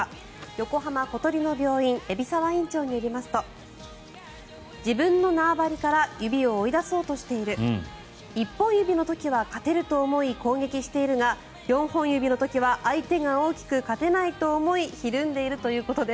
横浜小鳥の病院海老沢院長によりますと自分の縄張りから指を追い出そうとしている一本指の時は勝てると思い攻撃しているが四本指の時は相手が大きく勝てないと思いひるんでいるということです。